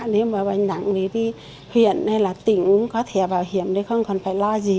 nếu mà bệnh nặng thì đi huyện hay là tỉnh có thẻ bảo hiểm thì không còn phải lo gì